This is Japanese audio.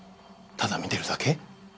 ただ見てるだけ？